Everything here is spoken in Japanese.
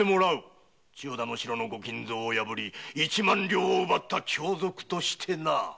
千代田の城の御金蔵を破り一万両を奪った凶賊としてな！